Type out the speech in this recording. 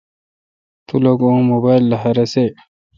تو لو کہ اں موبایل لخہ رسے۔